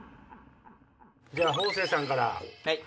じゃあ方正さんから。